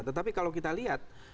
tetapi kalau kita lihat